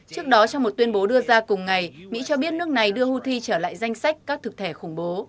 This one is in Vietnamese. trước đó trong một tuyên bố đưa ra cùng ngày mỹ cho biết nước này đưa houthi trở lại danh sách các thực thể khủng bố